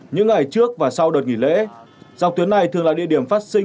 những ngày trước và sau đợt nghỉ lễ dọc tuyến này thường là địa điểm phát sinh